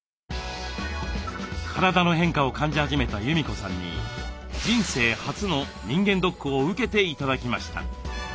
体の変化を感じ始めた裕美子さんに人生初の人間ドックを受けて頂きました。